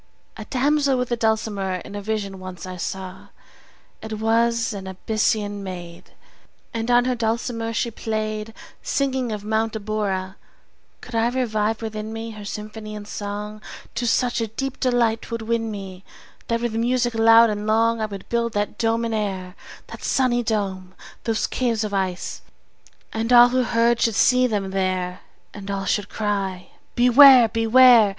A damsel with a dulcimer In a vision once I saw: It was an Abyssinian maid, And on her dulcimer she play'd, 40 Singing of Mount Abora. Could I revive within me, Her symphony and song, To such a deep delight 'twould win me, That with music loud and long, 45 I would build that dome in air, That sunny dome! those caves of ice! And all who heard should see them there, And all should cry, Beware! Beware!